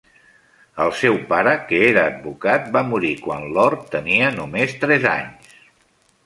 El seu pare, que era advocat, va morir quan Lord tenia només tres anys.